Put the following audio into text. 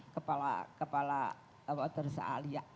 kepala kepala kalau tersahal ya